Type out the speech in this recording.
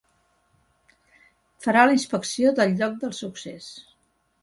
Farà la inspecció del lloc del succés.